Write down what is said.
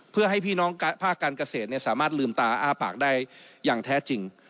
เพื่อให้พี่น้องภาคการเกษตรสามารถลืมตาอ้าปากได้อย่างแท้จริง